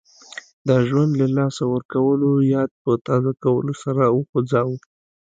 د ژوند له لاسه ورکولو یاد په تازه کولو سر وخوځاوه.